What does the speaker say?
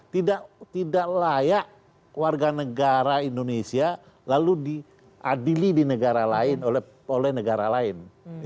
tidak layak warga negara indonesia lalu diadili di negara lain oleh negara lain